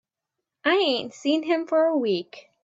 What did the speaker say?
I ain't seen him for a week.